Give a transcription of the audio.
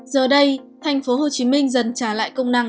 giờ đây tp hcm dần trả lại công năng